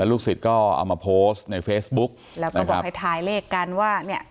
ลูกศิษย์ก็เอามาโพสต์ในเฟซบุ๊กแล้วก็บอกให้ทายเลขกันว่าเนี่ย